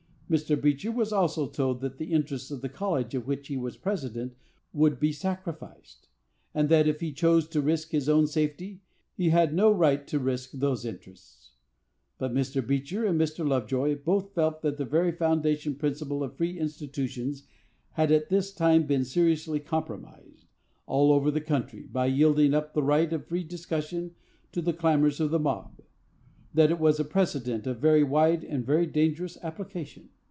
Mr. Beecher was also told that the interests of the college of which he was president would be sacrificed, and that, if he chose to risk his own safety, he had no right to risk those interests. But Mr. Beecher and Mr. Lovejoy both felt that the very foundation principle of free institutions had at this time been seriously compromised, all over the country, by yielding up the right of free discussion at the clamors of the mob; that it was a precedent of very wide and very dangerous application.